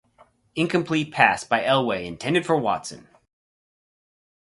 Incomplete pass by Elway, intended for Watson.